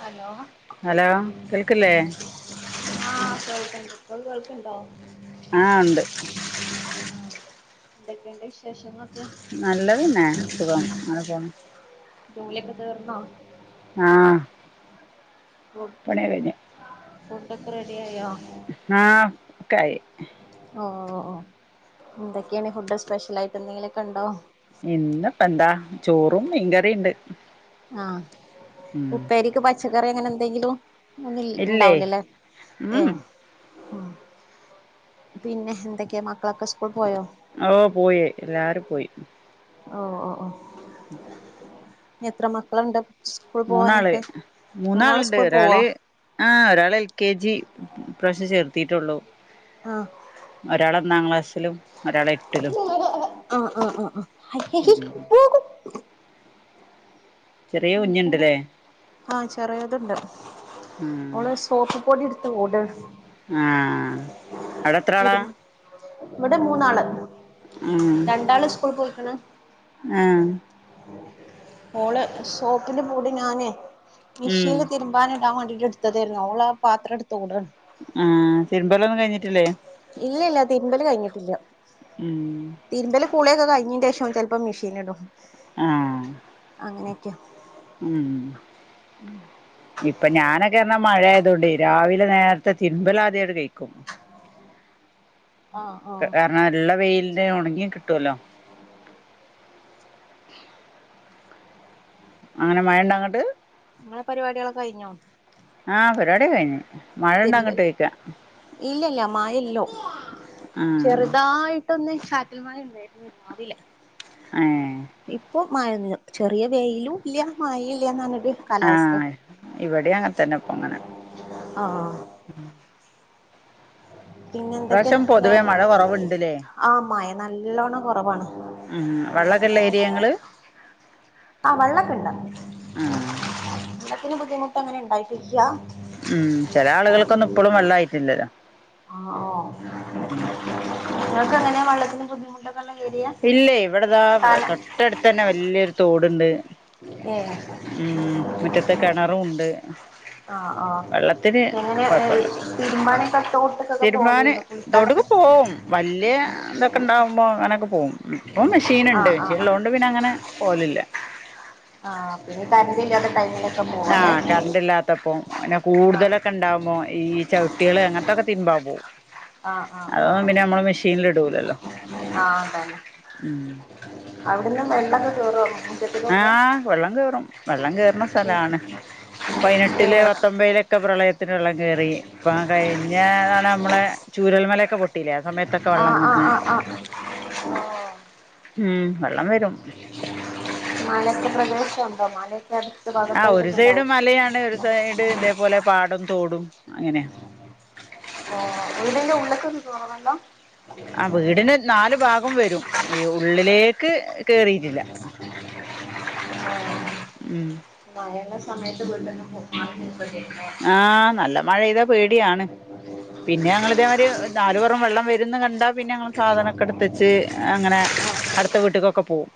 Hello hello കേൾക്കില്ലേ ആഹ് കേൾക്ക്ൺണ്ട് ഇങ്ങക് കേൾക്ക്ൺണ്ടൊ ആഹ് ഇണ്ട് ന്തൊക്കെണ്ട് വിശ് വേഷങ്ങളൊക്കെ നല്ലതെന്നെ സുഖം അന പോണു ജോലിയൊക്ക തീർന്നൊ ആഹ് ഫുഡ് പണി കഴിഞ്ഞ് ഫുഡൊക്ക റെഡിയായോ ആഹ് ഒക്കായി ഓഹ് ഓഹ് ഓഹ് എന്തെക്ക്യാണ് ഫുഡ് സ്പെഷ്യലായിട്ട് എന്തെങ്കിലൊക്കണ്ടൊ ഇന്ന് പ്പെന്താ ചോറും മീൻകറീണ്ട് ആഹ് ഉപ്പേരിക്ക് പച്ചക്കറി അങ്ങനെ എന്തേങ്കിലും മുന്നിൽ ഇല്ലേ ഇണ്ടാവൂല ലെ ഉം ഏഹ് ഉം പിന്നെ എന്തൊക്കെ മക്കളൊക്ക സ്കൂൾ പോയോ ഓഹ് പോയി എല്ലാരു പോയി ഓഹ് ഓഹ് ഓഹ് എത്ര മക്കള്ണ്ടപ് മൂന്നാള് മൂന്നാള്ണ്ട് സ്കൂൾ പോവോ ഒരാള് ആഹ് ഒരാളെൽ കേജി ഇപ്രാവശ്യം ചേർത്തിട്ടൊള്ളു ആഹ് ഒരാള് ഒന്നാം ക്ലാസ്സിലും ഒരാളെട്ടിലും ആഹ് ആഹ് ആഹ് ഉം ആഹ് ചെറിയ ഇൻക്കുമ്മ കുഞ്ഞുണ്ടല്ലേ ആഹ് ചെറേത്ണ്ട് ആഹ് ഓളസ് തോപ്പ് പൊടി ഇട്ത്ത് ഓടാണ് ആഹ് അവടെത്ര ആളാ ഇവടെ മൂന്നാള് ആഹ് രണ്ടാള് സ്കൂൾ പൊയ്ക്ക്ണ് ആഹ് ഓളെ സോപ്പിൻ്റെ മൂടി ഞാനെ ഉം മിഷീൻല് തിരുമ്പാന് ഇടാൻ വേണ്ടീറ്റ് ഇട്ത്തതെര്ന്നു ഓളാ പാത്രട്ത്തോടാണ് ആഹ് തിരുമ്പലൊന്നു കയ്ഞ്ഞിട്ടില്ലെ ഇല്ലല്ല തിര്മ്പല് കയ്ഞ്ഞിട്ടില്ല ഉം തിരുമ്പല് കുളിയൊക കഴ്ഞ്ഞീന്റേഷം ചെല്പ്പം മിഷീൻ ലിടും. ആഹ് അങ്ങനെക്ക്യ ആഹ് ഇപ്പ ഞാനൊക്കർഞ്ഞ മഴയാതോണ്ടെയ് രാവിലെ നേര്ത്തെ തിരുമ്പലാദ്യണ്ട് കഴ്ക്കും. ആഹ് ആഹ് കാര്ണം ഇള്ള വെയ്ൽന് ഒണങ്ങി കിട്ടോലൊ അങ്ങന മഴണ്ടൊ അങ്ങ്ട്ട് നിങ്ങളെ പരിപാടികളൊക്കെ കഴിഞ്ഞോ ആഹ് പരിപടിയൊക കഴ്ഞ്ഞ് മഴണ്ടൊ തിരുമ്പൽ അങ്ങ്ട്ടൊയ്ക്ക ഇല്ലല്ല മഴല്ലൊ ആഹ് ചെറ്തായി ട്ടൊന്ന് ചാറ്റൽമഴ ഇണ്ടായിർന്നു രാവിലെ അയേ ഏഹ് ഇപ്പൊ മഴന്നില്ല ചെറിയ വെയിലും ഇല്ല മഴില്ല ഇന്നങ്ങ്ട്ട് കാലാവസ്ഥെ ഇവടിം അങ്ങൻ തന്നെ ഇപൊ ഇങ്ങനെ ആഹ് [inaudible] പിന്നെ എന്തൊക്കെണ് ഇപ്രാവശ്യം പൊതുവേ മഴ കുറവുണ്ട്ല്ലേ ആഹ് മയ നല്ലോണ്ണം കൊറവാണ്. ഉം വള്ളകള്ള ഏരിയങ്ങള് ആഹ് വെള്ളക്കെണ്ട ആഹ് വെള്ളത്തിന് ബുദ്ധിമുട്ട് അങ്ങനെ ഉണ്ടായിട്ടില്ല. ഉം ചെല ആളുകൾക്കൊന്നും ഇപ്പളും വെള്ളായിട്ടില്ലല്ലോ ഉം നിങ്ങൾക്കെങ്ങനെ വെള്ളത്തിന് ബുദ്ധിമുട്ടൊ നല്ല എരിയാ ഇല്ലയ് ഇവിടതാ തൊട്ടടുത്തെന്നെ വല്യൊരു തോടുണ്ട്. ഏഹ് ഉം മുറ്റത്ത് കെണറുണ്ട്. ആഹ് ആഹ് എങ്ങനെ തിരുമ്പനൊക്കെ തോട്ടിലൊക്കെ പോ [unintelligible] തോട്ടുക്ക് പോവും വല്യ ഇതൊക്കെ ഇണ്ടാവുമ്പോ അങ്ങനൊക്കെ പോവും ഇപ്പൊ മെഷീൻ ഇണ്ട് ആഹ് മെഷീൻ ആഹ് ഉള്ളൊണ്ട് പിന്നെ അങ്ങനെ പോവലില്ല. ആഹ് പിന്നെ കറന്റ് ഇല്ലാത്ത ടൈമും ആഹ് കറണ്ട് ഇല്ലാത്തപ്പോ ആഹ് കൂടുതലൊക്കെ ഇണ്ടാവുമോ ഈ ചവിട്ടികൾ അങ്ങനത്തൊക്കെ തിരുമ്പാൻ പോവും. ആഹ് ആഹ് അതൊന്നും പിന്നെ നമ്മള് മെഷീനിൽ ഇടൂലല്ലോ ആഹ് ആഹ് തന്നെ ഉം അവിടെന്ന് വെള്ളൊക്കെ കേറോ മുറ്റത്ത്ക്കൊക്കെ ആഹ് വെള്ളം കേറും വെള്ളം കേറുന്ന സ്ഥലാണ് പൈനെട്ടില് ഏഹ് പത്തൊമ്പയിലൊക്കെ പ്രളയത്തിന് വെള്ളം കേറി ഇപ്പ കഴിഞ്ഞ കാലം നമ്മളെ ചൂരൽമലയൊക്കെ പൊ ട്ടിലെ ആഹ് സമയത്തൊക്കെ വള്ളം ആഹ് ആഹ് വന്ന് ആഹ് ആഹ് ഉം വള്ളം വരും. മല [unintelligible] മല ആഹ് ഒരു സൈഡ് മലയാണ് ഒരു സൈഡ് ഇതേപോലെ പാടം തോടും അങ്ങനെയ ഓ വിട് ന്റെ ഉള്ള്ക്ക് എതോ വെള്ളം ആഹ് വീടിന് നാല് ഭാഗം വരും. ഈ ഉള്ളിലേക്ക് കേറിയിട്ടില്ല ഉം മഴള്ള സമയത്ത് വീട്ടിന്ന് പൊറത്തറ [inaudible] ആഹ് നല്ല മഴെയ്ത പേടിയാണ്. പിന്നെ ഞങ്ങൾ ഇതേമാതിരി നാല്പൊറം വെള്ളം വരന്ന് കണ്ടാ പിന്നെ ഞങ്ങള് സാധനൊക്കെ എടുത്തച്ച് അങ്ങനെ അടുത്ത വീട്ട്ക്കൊക്കെ പോവും.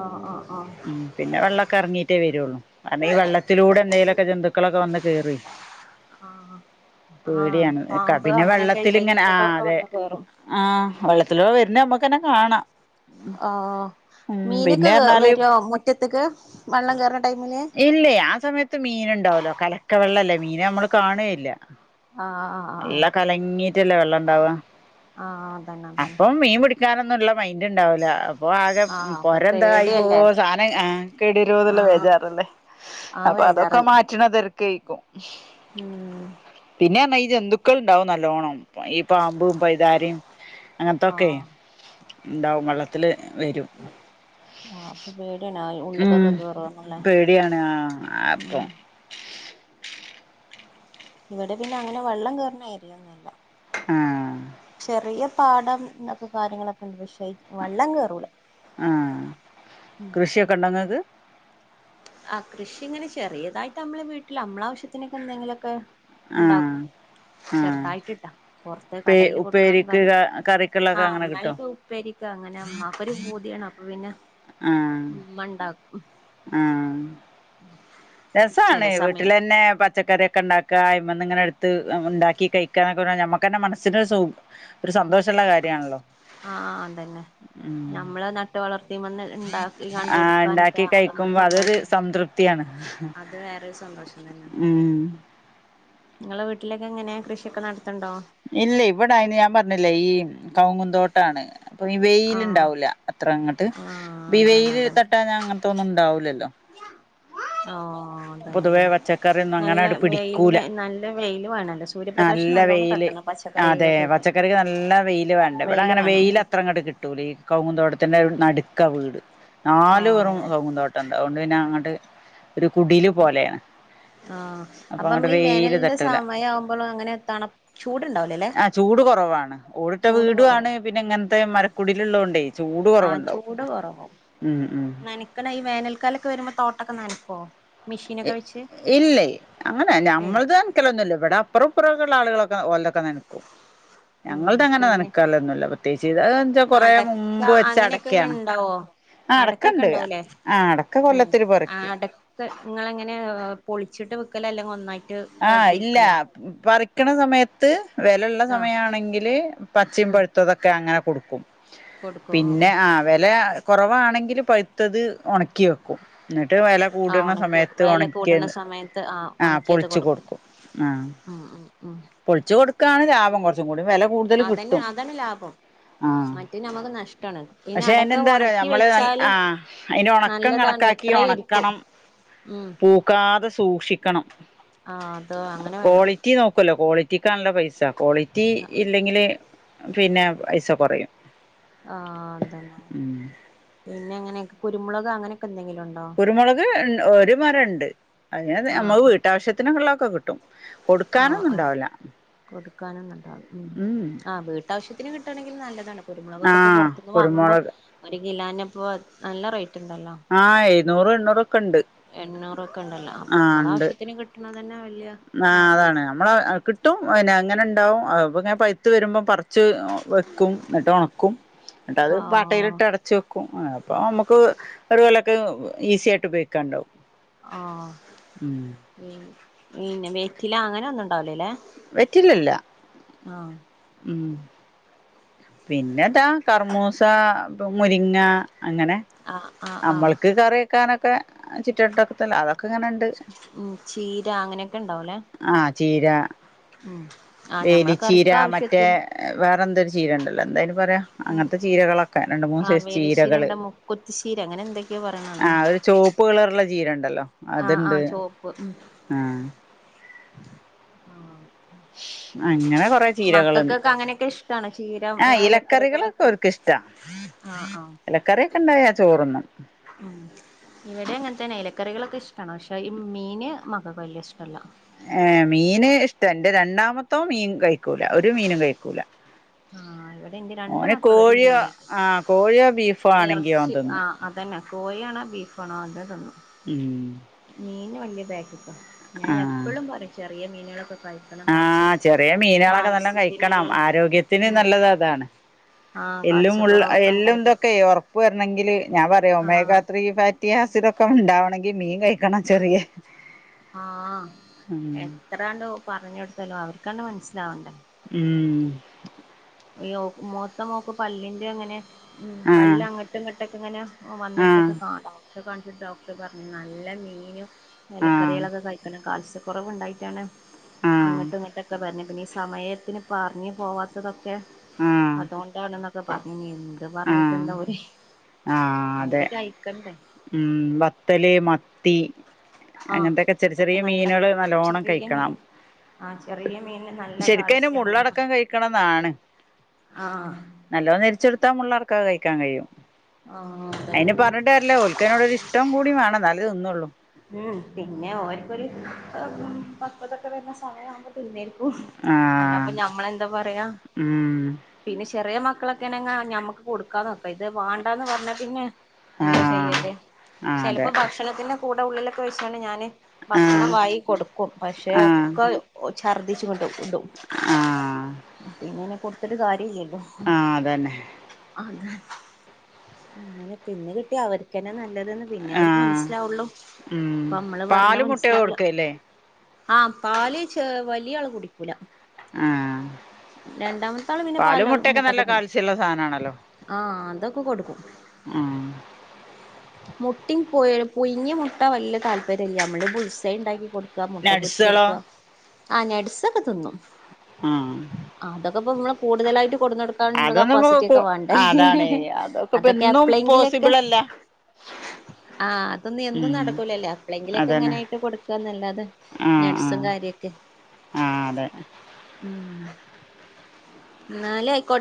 ആഹ് ആഹ് ആഹ് ഉം പിന്നെ വെള്ളൊക്കെ എറങ്ങിയിട്ടേ വരുള്ളു കാരണം ഈ വെള്ളത്തിലൂടെ എന്തേങ്കലൊക്കെ ജന്തുക്കളൊക്കെ വന്ന് കേറൊയ്. ആഹ് ആഹ് ആഹ് പേടിയാണ് ക പാമ്പ് പിന്നെ അങ്ങനെയൊക്കെ വെള്ളത്തിലിങ്ങന ആഹ് ഇഴജന്തുക്കളൊക്കെ അതെ വന്ന് കേറും ആഹ് വെള്ളത്തിലോ വര്ണ്ണ നമ്മക്കന്നെ കാണാം ആഹ് ഉം മീനൊക്കെ പിന്നെ വ പറഞ്ഞാല് വര്വോ മുറ്റത്ത്ക്ക് വെള്ളം കയറുന്ന ടൈമില് ഇല്ലേ ആഹ് സമയത് ത്ത് മീന്ണ്ടാവ്ലോ കലക്ക വെള്ളല്ലേ മീന നമ്മള് കാണുകേയില്ല ആഹ് ആഹ് ആഹ് ആഹ് നല്ല കലങ്ങിട്ടല്ലേ വെള്ളണ്ടാവ ആഹ് അതന്നെ ആഹ് അതന്നെ ഇപ്പം മീൻ പിടിക്കാനൊന്നുള്ള മൈന്റ് ഉണ്ടാവൂല അപ്പൊ ആകെ ആഹ് അപ്പൊ പൊര പേടിയല്ലേ എന്തായിപോവോ സാധനം ആഹ് കേട്വരുവോന്നുള്ള വേജാറല്ലേ ആഹ് വേജ് അതൊക്കെ മാറ്റണ തെരക്കേരിക്കും ഉം പിന്നെന്നാ ഈ ജന്തുക്കൾ ഇണ്ടാവും നല്ലോണ്ണം ഈ പാമ്പും പൈയ്താരേം അങ്ങനത്തൊക്കെ ആഹ് ഉണ്ടാവും വെള്ളത്തില് വരും ആഹ് അപ്പൊ പേടിയാണ് ആഹ് ഉം ഉള്ള്ക്കൊക്കെ കേറുവോന്നുള്ളെ പേടിയാണ് ആ അപ്പം ഇവിടെ പിന്നെ അങ്ങനെ വെള്ളം കേർണ ഏരിയ ഒന്നുവല്ല ആഹ് ചെറിയ പാടം ന്നൊക്കെ കാര്യങ്ങളൊക്കെ ഉണ്ട് പക്ഷെ വെള്ളം കേറൂല്ല. ആഹ്, കൃഷിക്കെ ഉണ്ടോ ങ്ങക്ക്? ആഹ് കൃഷി ഇങ്ങനെ ചെറിയതായിട്ട് നമ്മളെ വീട്ടില് നമ്മള ആവശ്യത്തിന്ക്കെ എന്തെങ്കിലൊക്കെ ആഹ് ആഹ് ചെറുതായിട്ട്ട്ടാ, പോർത്ത് കടയില് കൊടുക്കാൻ കിഴാ കറിക്ക്ള്ള ആഹ് അമ്മെൽക്ക് ഉപ്പേരിക്ക അങ്ങന മ്മാക്കൊരു പൂതിയാണ് അപ്പൊ പിന്നെ ആഹ് ഉമ്മണ്ടാക്കും. ആഹ്, രസാണ് ചില സമയം വീട്ടിലന്നെ പ ച്ചക്കറിയൊക്കെ ണ്ടാക്കാ അയ്മെന്നിങ്ങനെട്ത്ത് എഹ് ഉണ്ടാക്കി കഴിക്കാക്കെ പറഞ്ഞാ ഞമ്മക്ക്ന്നെ മനസ്സിനൊര് സുഗ് ഒരു സന്തോഷൊള്ള കാര്യാണല്ലോ. ആഹ് ആ അതന്നെ. ഉം ഞമ്മള് നട്ട് വളർത്തിമ്മേന്ന് ഇണ്ടാക്കി കണ്ട് ആഹ് എടുക്കാനൊക്കെ അതാമ്പ ഒരു സന്തോഷം. ട്ടിയാണ്. അത് വേറൊരു സന്തോഷം തന്നെ. ങ്ങളെ വീട്ടിലൊക്കെ എങ്ങനേ കൃഷിയൊക്കെ നടത്ത്ണ്ടോ? ഇല്ല ഇവിടയ്ന് ഞാൻ പറഞ്ഞില്ലേ ഈ കൗങ്ങുന്തോട്ടാണ്. അപ്പൊ ഈ ആഹ് വെയില്ണ്ടാവൂല അത്ര അങ്ങട്ട്. ആഹ് അതന്നെ വിവെയ്ല് തട്ടാൻഞാ അങ്ങൻത്തത് ഒന്നും ഉണ്ടാവൂലല്ലോ. ആഹ്. ആഹ് തന്നെലേ, പൊതുവേ പച്ചക്കറിയൊന്നും നല്ല അങ്ങനെട് പിടിക്കൂല വെയിലിനേ നല്ല വെയില് വേണോല്ലോ സൂര്യപ്രകാശം നല്ല നല്ലോണം വെയില് തട്ടണം. അതെ, പച്ചക്കറികൾക്കൊക്കെ പച്ചക്കറിക്ക് നല്ല വെയില് വേണ്ടേ ഇവടെ അങ്ങനെ വെയില് അത്ര അങ്ങട് കിട്ട് ട്ടുലേ കൗങ്ങുന്തോട്ടത്തിന്റെ നടുക്ക വീട് നാല് പെറം ആഹ് കൗങ്ങുന്തോ ട്ടണ്ട് അവൊണ്ട് പിന്നെ അങ്ങട്ട് ഒരു കുടീല് ആഹ് പോലെയാ ആഹ്, അപ്പൊ മ്മളീ ഈ വേനൽന്റെ തട്ടൂല സമയം ആവുമ്പള് അങ്ങനെ തണ് ചൂടുണ്ടാവില്ലല്ലേ. ആഹ് ചൂട് കൊറവാണ്. ഓടിട്ട വീടു കൊറവും ആണ് പിന്നെ ഇങ്ങൻത്തെ ആഹ് മരക്കുടിലുള്ളോണ്ടേയ് ചൂട് ആഹ് കൊറവുണ്ടാവും. ഉം ഉം. കെണ ഈ വേനൽക്കാലൊക്കെ വരുമ്പോ തോട്ടൊക്കെ നനക്കുവോ? എഹ് ഇല്ലേയ് അങ്ങനെ ഏഹ് ഞമ്മൾത് ക്കലൊന്നുല്ല ഇവടെ അപ്പറോം ഇപ്പറോം ഉള്ള ആളുകള്ക്കേ ഓൽതൊക്കെ നനക്കും. ഉം ഞങ്ങൾത അങ്ങനെ പിന്നെ നനക്കാലൊന്നുല്ല പ്രത്യേകിച്ച് ഇത് അത് കൊറേ അടക്ക മുമ്പ് വെച്ച അങ്ങനെയൊക്കെ അടക്കേണ്. ഉണ്ടാവോ ആഹ് അടക്കൊക്കെ അടക്കണ്ട് ഉണ്ടാവൂലേ ആഹ് അടക്ക കൊല്ലത്തില് പറിക്കും. ങ്ങളെങ്ങനെ പൊളിച്ചിട്ട് വ്ക്കലല്ലേ ഒന്നായി ആഹ് ഇല്ലാ പറിക്ക്ണ സമയ ത്ത് വേലള്ള ആഹ് സമയാണെങ്കില് പച്ചിം ഉം പൊഴുത്തതൊക്കെ അങ്ങനെ കൊടുക്കും. കൊടുക്കും ആ ആ പിന്നെ ആഹ് വേല കൊറവാണെങ്കില് പഴുത്തത് ഒണക്കി വെക്കും, ന്നിട്ട് വേല ആ കൂട്ണ ഉണക്കി വെക്കും. സമയത്ത് വെല ഒണക്കി കൂടണ സമയത്ത് ആ ആഹ് ഉണക്കിയത് പൊൾച്ചു കൊടുക്കും ആഹ്. [inaudible] പൊൾച്ച് കൊടുക്കാണ് ലാഭം കൊർച്ചും കൂടി വേല കൂടുതല് അതന്നെ കിട്ടും. അതാണ് ലാഭം ആഹ് മറ്റേ നമുക്ക് നഷ്ടാണ് പിന്നെ പക്ഷെ അടക്ക എന്നെന്താറോ ഉണക്കി ഞമ്മള് ന വെച്ചാല് ആഹ് അയ്ന്റെ ഒണക്കം നല്ലതാണ് കണക്കാ ക്കി എത്ര ഇരിക്കും ഒണക്കണം. ഉം ക്കാതെ സൂക്ഷിക്കണം, ആ അത് അങ്ങനെ വേണം ക്വാളിറ്റി നോക്കല്ലോ ക്വാളിറ്റിക്കാണല്ലോ പൈസ. ക്വാളിറ്റി ആ ഇല്ലെങ്കില് പിന്നെ പൈസ കൊറയും. ആഹ് അതെന്നേ, പിന്നെ ങ്ങനെയൊക്കെ കുരുമുളക് അങ്ങനെയൊക്കെ എന്തെങ്കിലും ഉണ്ടോ? കുരുമുളക് ഇ ഒരു മരോണ്ട് അതിനെ ആഹ് നമ്മക്ക് ആഹ് വീട്ടാവശ്യത്തിന് ഒള്ളക്കെ കിട്ടും കൊടുക്കാനൊന്നും ഉണ്ടാവില്ല കൊടുക്കാനും ഇണ്ടാവും ഉം ആഹ് വീട്ടാവശ്യത്തിന് കിട്ടാണെങ്കിൽ നല്ലതാണ് കുരുമുളകൊക്കെ ഇപ്പം ആഹ് പൊറത്ത് വാങ്ങുമ്പോ കുരുമുളക് ഒരു കിലന് ഇപ്പോ നല്ല റേറ്റ് ഇണ്ടല്ലോ ആഹ് എഴുന്നൂറ് എണ്ണൂറ് എണ്ണൂറ് ഒക്കെ ഇണ്ടല്ലോ അപ്പം അമ്മള് ഉണ്ട് ആവശ്യത്തിന് കിട്ടണത് തന്നെ വല്യയ ആഹ് ലാഭം അതാണ് തന്നെ നമ്മള് കിട്ടും പിന്നെ എങ്ങനെ ഇണ്ടാവും അപ്പങ്ങനെ പൈത്ത് വരുമ്പം പറി ച്ച് വെക്കും എന്നിട്ട് ഉണക്കും എന്നിട്ട് അത് ആഹ് പാട്ടയിലിട്ട് അട ച്ച് വെക്കും അപ്പം നമ്മുക്ക് ഒര് കൊല്ലോക്കെ ഈസി ആയിട്ട് ഉപയോഗിക്യാ ഇണ്ടാവും ആഹ് പിന്നെ വെറ്റില അങ്ങനെ ഒന്നും ഇണ്ടാവുലല്ലെ വറ്റില ഇല്ല ഉം പിന്നെതാ കർമൂസ, മുരിങ്ങ അങ്ങനെ ആഹ് ആഹ് ആഹ് ക്കാനൊക്കെ ചുറ്റ് വട്ടത്ത് അതൊക്കെ ഇങ്ങനെയുണ്ട് ഉം ചീര അങ്ങനെയൊക്കെ ഉണ്ടാവൂലേ ആഹ് ചീര ഉം ആഹ് ഞമ്മളെ വേലിച്ചീര കറിക്ക് മറ്റേ ആവശ്യത്തിന് വേറെന്തര് ചീരയോണ്ടല്ലോ എന്താ അയിന് പറയാ ഉം അങ്ങനത്തെ ചീരകളൊക്കെ രണ്ട് മൂന്ന് സൈസ് ചീരകള് ചീര അങ്ങനെ എന്തൊക്കെയോ ആ പറയണതാണ് ചോപ്പ് കളറുള്ള ചീരയുണ്ടല്ലോ അതിണ്ട് ആഹ് ആഹ് ആഹ് അങ്ങനെ കൊറെ ചീരകളുണ്ട് മക്കകൊക്കെ അങ്ങനെയൊക്കെ ഇഷ്ടാണ് ചീര ആ ഇലക്കറികളൊക്കെ എലക്കറികളൊക്കെ ആഹ് ആഹ് എല്ല കറിയൊക്കെ ഇണ്ടായ ചോറുണ്ണും ഉം ഇവടെ അങ്ങനതത്തെ എലക്കറികളൊക്കെ ഇഷ്ടാണ് പക്ഷെ ഈ മീന് മകക്ക് വല്യ ഇഷ്ടല്ല ഏയ് മീന് ഇഷ്ട എന്റെ രണ്ടാമത്തോൻ മീൻ കയിക്കൂല ഒരു മീനും കയിക്കൂല ആഹ് ഇവിടെ എന്റെ രണ്ട് ഓന് മക്കളും ഒരു കോഴിയോ മീനും കഴിക്കും ആഹ് കോഴിയോ ബീഫോ ആണെങ്കി ഓൻ ഇറച്ചി തിന്നും ആഹ് അതന്നെ കോഴി ആണോ ബീഫാണോ അത് തിന്നും ഉം മീന് വല്യയ ബാക്കിക്കാ ഞാൻ ആഹ് എപ്പളും പറയും ചെറിയ മീനുകളൊക്കെ കഴി ആഹ് ചെറിയ മീനുകളൊക്കെ നല്ലണം കയിക്കണം ആരോഗ്യത്തിന് ഉം നല്ലത് അതാണ് ആഹ് എല്ലും മുള്ളും കാൽസ്യക്കുറവൊക്കെ എല്ലും ഉണ്ടായിട്ട് ഇതൊക്കയേ ഒറപ്പ് വരണങ്കില് ഞാൻ പറയും ഒ ആഹ് മേഗാ ത്രീ ഫാ [unintelligible] ആസിഡോക്കെ ഒണ്ടാവണേങ്കില് മീൻ കയിക്കണം ചെറിയേ ആഹ് എത്രാണ്ട് പറഞ്ഞ് കൊടുത്താലും അവർകാണ്ട് മനസ്സിലാവണ്ടേ ഉം ഇയ്യോ മൂത്ത മോക്ക് പല്ലിന്റെ അങ്ങനെ ഉം ആഹ് പല്ലങ്ങട് [unintelligible] ഇങ്ങനെ ആഹ് വന്നിട്ടൊക്കെ കാണും പക്ഷെ കണ്ടിട്ട് ഡോക്ടറെ പറഞ്ഞു നല്ല മീനും ആഹ് ഇലക്കറികളൊക്കെ കയിക്കണം കാൽസ്യ കൊറവ് ഇണ്ടായിറ്റാണ് ആഹ് അങ്ങിട്ടും ഇങ്ങിട്ടൊക്കെ പറഞ്ഞ് പിന്നെ സമയത്തിന് പർഞ്ഞ് പോവാത്തതൊക്കെ ആഹ് അതൊണ്ടാണെന്ന് ഒക്കെ പറഞ്ഞനി എന്ത് ആഹ് പറഞ്ഞിട്ടെന്താ ആഹ് അതെ അവര് കയിക്കണ്ടേ ഉം വത്തല്, മത്തി ആഹ് അങ്ങനത്തെക്കെ ചെറ് അതൊക്കെ ചെറിയ നല്ല മീനുകള് നല്ലോണ്ണം ചെറിയ മീൻ കയിക്കണം ആഹ് ചെറിയ മീന് നല്ല കാൽസ്യാണ് [unintelligible] കയിക്കണതാണ് ആഹ് നല്ലോ നെരിച്ചൊടുത്താ മുള്ളടക്കം കയിക്കാൻ കഴിയും ആഹ് അതന്നെ അയിന് പറഞ്ഞിട്ട് കാര്യല്ല ഓൽക്കതിനോടൊരു ഇഷ്ടം [unintelligible] തിന്നൊള്ളൂ ഉം പിന്നെ ഓർക്കൊരു പക്കതൊക്കെ വരുന്ന സമയം ആമ്പം തിന്നേർ ക്കും അല്ല അപ്പൊ ആഹ് ഞമ്മളെന്താ പറയാ ഉം പിന്നെ ചെറിയ മക്കളൊക്കെയാണേങ്ങ് ഞമ്മക്ക് കൊടുക്കാന്ന് വെക്കാം ഇത് വാണ്ടാന്ന് പറഞ്ഞാ പിന്നെ എന്താ ആഹ് ചെയ്യേണ്ടെ ആഹ് അതെ ചെലപ്പോ ഭക്ഷണത്തിന്റെ കൂടെ ഉള്ളിലൊക്കെ വെച്ചാണ് ഞാന് ഭക്ഷണം ആഹ് വായി കൊടുക്കും പക്ഷെ ആഹ് ഒക്കെ ഛർദിച് ഇങ്ങട്ട് ഇടും ആഹ് പിന്നെ കൊട്ത്ത്ട്ട് കാര്യല്ല ല്ലോ ആഹ് അതന്നെ അതെ അങ്ങനെ തിന്ന് കിട്ടിയ അവർക്ക്ന്നെ നല്ലതെന്ന് പിന്നെ അവർക്ക് ആഹ് മനസ്സിലാവുള്ളു ഉം ഇപ്പം നമ്മള് പറഞ്ഞാ പാലും മുട്ടയൊക്കെ മനസ്സിലാവൂല കൊടുക്കല്ലേ ആഹ് പാല് ചെ വലിയ ആള് കുടിക്കൂല ആഹ് രണ്ടാമത്തെ ആള് പിന്നെ പാല് മുട്ടയൊക്കെ നല്ല മുട്ടൊക്കെ തിന്നും കാൽസ്യള്ള സാനണല്ലോ ആഹ് അതൊകെ കൊടുക്കും ആഹ് മുട്ടും പുഴ് പുഴുങ്ങിയ മുട്ട വല്യ താൽല്പര്യല്യ നമ്മള് പുൾസൈ ഉണ്ടാക്കി കൊടു ക്ക മുട്ട നട്സുകളോ പൊരിച്ടുക്ക ആഹ് നട്സൊക്കെ തിന്നു ആഹ് അതൊക്കെപം മ്മൾ കൂടുതായിട്ട് കൊട്ന്നൊട്ക്ക കാനുള്ള അതൊന്നും ഇപ്പൊ കപ്പാസിറ്റി കു ഒക്കെ വേണ്ടേ അതാണേ ഇപ്പ അതൊക്കെ എന്നും എപ്പളെങ്കിലൊക്കെ പോസിബിൾ അല്ല ആഹ് അതൊന്നും എന്നും ഉം നടക്കൂലല്ലേ എപ്പളെങ്കിലൊക്കെ അതന്നെ ഇങ്ങനായിട്ട് കൊടുക്കാന്നല്ലാതെ നട്സും കാര്യക്കെ ആഹ് അതെ ഉം ഇന്നാലെ ആയി കൊ